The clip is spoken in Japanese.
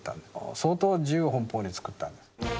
相当自由奔放に作った。